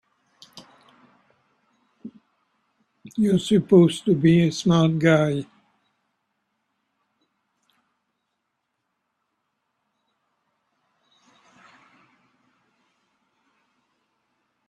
You're supposed to be a smart guy!